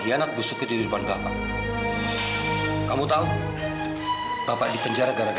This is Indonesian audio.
ini uang yang dijanjikan pak prawijaya